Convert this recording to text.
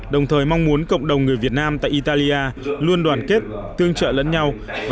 đồng thời mong muốn cộng đồng người việt nam tại italia luôn đoàn kết tương trợ lẫn nhau